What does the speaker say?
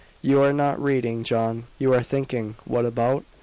"You are not reading, John; you are thinking what about?"